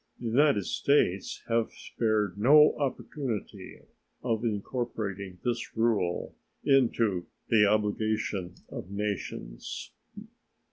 The United States have spared no opportunity of incorporating this rule into the obligation of nations.